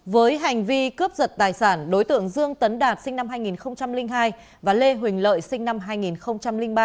với hành vi cướp giật tài sản đối tượng dương tấn đạt sinh năm hai nghìn hai và lê huỳnh lợi sinh năm hai nghìn ba